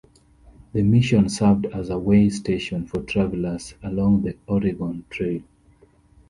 The mission served as a way station for travelers along the Oregon Trail.